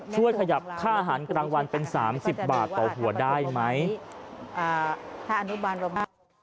ช่วยขยับค่าอาหารกลางวันเป็น๓๐บาทต่อหัวได้ไหม